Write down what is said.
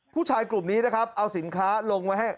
ผู้ชายกลุ่มนี้นะครับเอาสินค้าลงไว้ให้